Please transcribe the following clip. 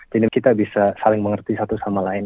jadi kita bisa saling mengerti satu sama lain